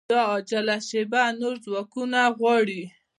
دا عاجله شېبه نور ځواکونه غواړي